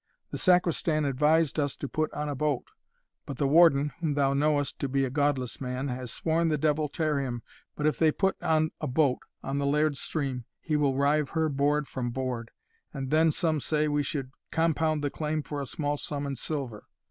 The Sacristan advised us to put on a boat; but the warden, whom thou knowest to be a godless man, has sworn the devil tear him, but that if they put on a boat on the laird's stream, he will rive her board from board and then some say we should compound the claim for a small sum in silver."